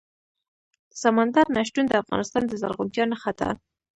سمندر نه شتون د افغانستان د زرغونتیا نښه ده.